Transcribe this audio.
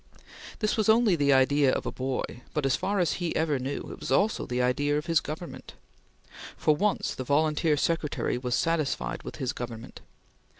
This was only the idea of a boy, but, as far as he ever knew, it was also the idea of his Government. For once, the volunteer secretary was satisfied with his Government.